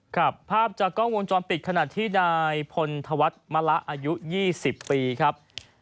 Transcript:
ภาพจากกล้องวงจรปิดขณะที่นายพลธวัฒน์มะละอายุ๒๐ปีครับ